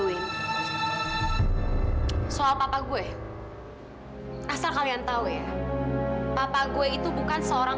eh pulang minggir minggir